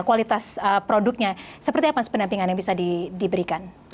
kualitas produknya seperti apa pendampingan yang bisa diberikan